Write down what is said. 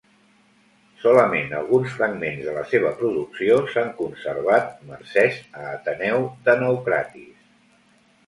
Solament alguns fragments de la seva producció s'han conservat mercès a Ateneu de Naucratis.